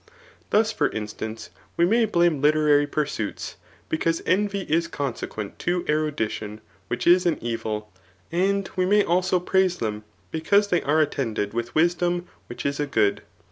Thus for instance, [we may blame literary pursuits,^ because envy is consequent to erudidon, which b. an evil ; and [we may also praise them] because they are attended with wisdom, which is a good.